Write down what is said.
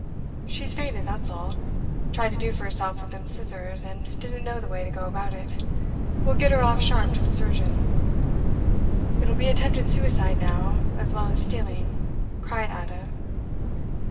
'She's fainted, that's all. Tried to do for herself with them scissors, and didn't know the way to go about it. We'll get her off sharp to the surgeon.' 'It'll be attempted suicide, now, as well as stealing,' cried Ada.